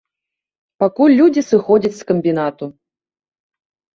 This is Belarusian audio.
Пакуль людзі сыходзяць з камбінату.